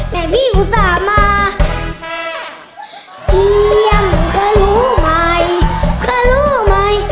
แต่พี่อุตส่าห์มาเยี่ยมเคยรู้ใหม่เคยรู้ไหม